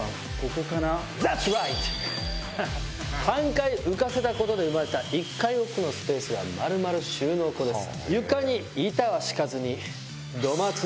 半階浮かせたことで生まれた１階奥のスペースが丸々収納庫です。